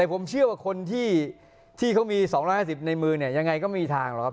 แต่ผมเชื่อว่าคนที่ที่เขามีสองล้านห้าสิบในมือเนี่ยยังไงก็ไม่มีทางหรอกครับ